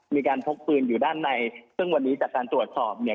พกปืนอยู่ด้านในซึ่งวันนี้จากการตรวจสอบเนี่ย